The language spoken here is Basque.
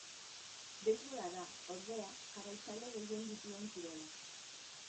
Beisbola da, ordea, jarraitzaile gehien dituen kirola.